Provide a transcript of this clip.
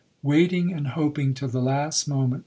Waiting and hoping till the last moment.